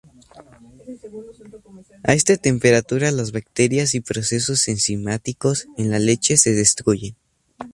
A esta temperatura las bacterias y procesos enzimáticos en la leche se destruyen.